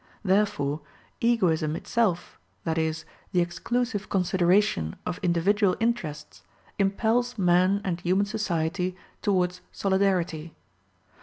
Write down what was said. Therefore, egoism itself, that is, the exclusive consideration of individual interests, impels man and human society towards solidarity.